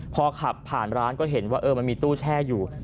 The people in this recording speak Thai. พอขับผ่านร้านก็เห็นว่ามันมีตู้แช่อยู่